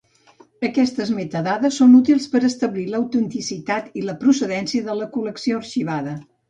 Aquestes metadades són útils per establir l'autenticitat i la procedència de la col·lecció arxivada.